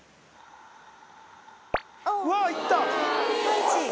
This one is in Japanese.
うわ行った！